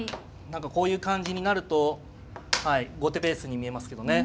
何かこういう感じになると後手ペースに見えますけどね。